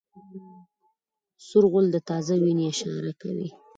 سور غول د تازه وینې اشاره کوي.